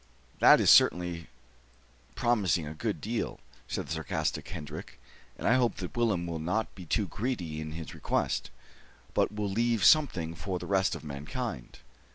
"That is certainly promising a good deal," said the sarcastic Hendrik, "and I hope that Willem will not be too greedy in his request, but will leave something for the rest of mankind."